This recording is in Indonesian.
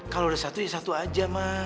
kalau ada satu ya satu aja mah